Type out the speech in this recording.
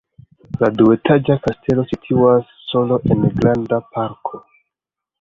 La duetaĝa kastelo situas sola en granda parko.